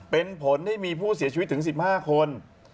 เป็นผลให้มีผู้เสียชีวิตถึง๑๕คน